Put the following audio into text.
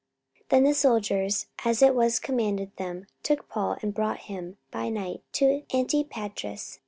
44:023:031 Then the soldiers, as it was commanded them, took Paul, and brought him by night to Antipatris.